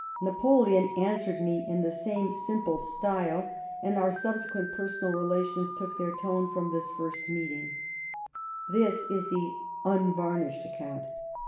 Napoleon answered me in the same simple style, TEE EMBASSY TO PABIS. 51 and our subsequent personal relations took their tone from this first meeting," This is the " unvarnished " account.